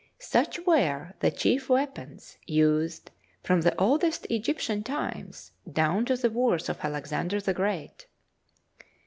Such were the chief weapons used from the oldest Egyptian times down to the wars of Alexander the Great.